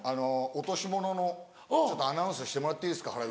「落とし物のアナウンスしてもらっていいですか？